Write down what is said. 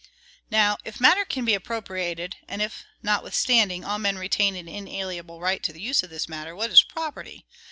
Now, if matter can be appropriated, and if, notwithstanding, all men retain an inalienable right to the use of this matter, what is property?